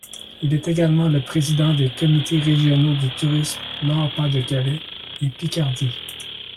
Il est également le Président des comités régionaux du tourisme Nord-Pas-de-Calais et Picardie.